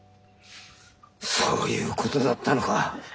そういうことだったのか。